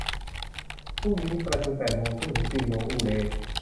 พรุ่งนี้ประชุมแปดครึ่งถึงสี่โมง อูเร